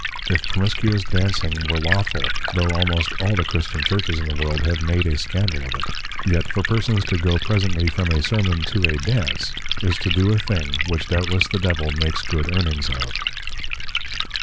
If Promiscuous Dancing were Lawful; though almost all the Christian Churches in the World, have made a Scandal of it; yet for Persons to go presently from a Sermon to a Dance, is to do a thing, which Doubtless the Devil makes good Earnings of.